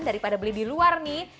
daripada beli di luar nih